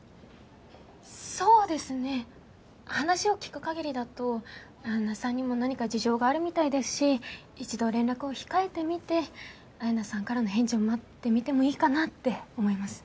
そうですね話を聞くかぎりだとあやなさんにも何か事情があるみたいですし一度連絡を控えてみてあやなさんからの返事を待ってみてもいいかなって思います。